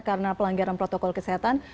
karena pelanggaran protokol kesehatan